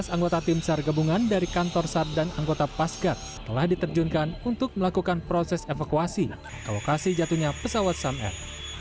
tujuh belas anggota tim sar gabungan dari kantor sar dan anggota pasgat telah diterjunkan untuk melakukan proses evakuasi ke lokasi jatuhnya pesawat sam air